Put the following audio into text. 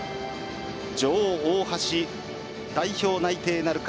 女王・大橋、代表内定なるか。